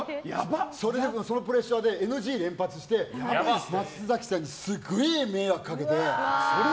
そのプレッシャーでＮＧ連発して松崎さんにすごい迷惑をかけて。